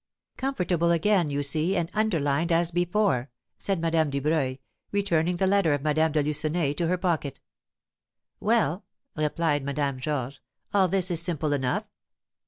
"Comfortable again, you see, and underlined as before," said Madame Dubreuil, returning the letter of Madame de Lucenay to her pocket. "Well," replied Madame Georges, "all this is simple enough!"